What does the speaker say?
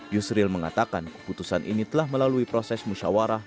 yusril mengatakan keputusan ini telah melalui proses musyawarah